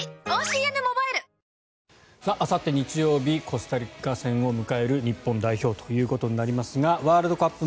コスタリカ戦を迎える日本代表ということになりますがワールドカップ